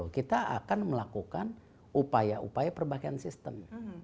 kita akan melakukan upaya upaya perbaikan sistem